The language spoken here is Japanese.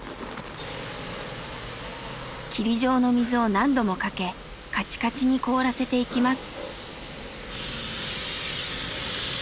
霧状の水を何度もかけカチカチに凍らせていきます。